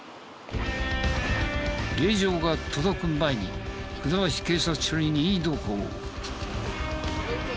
令状が届く前に船橋警察署に任意同行。